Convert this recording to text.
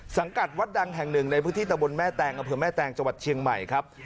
สังกัดวัดดังแห่งหนึ่งในพื้นที่ตะบนแม่แตงอำเภอแม่แตงจังหวัดเชียงใหม่ครับ